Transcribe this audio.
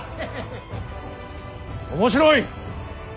面白い。